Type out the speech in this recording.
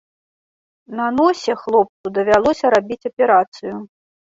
На носе хлопцу давялося рабіць аперацыю.